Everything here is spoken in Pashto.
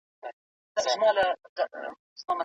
ملالۍ ته به پرې ایښي فرنګي وي میدانونه